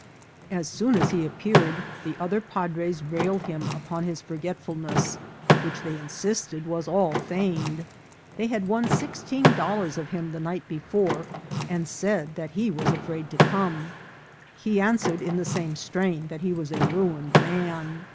As soon as he appeared the other padres rallied him upon his forgetfulness, which they insisted was all feign ed ; they had won sixteen dollars of him the night be fore, and said that he was afraid to come. He answer ed in the same strain that he was a ruined man.